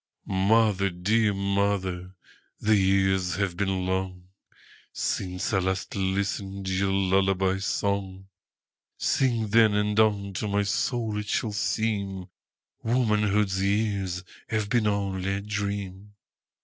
Mother, dear mother, the years have been longSince I last listened your lullaby song:Sing, then, and unto my soul it shall seemWomanhood's years have been only a dream.